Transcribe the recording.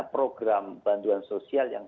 program bantuan sosial yang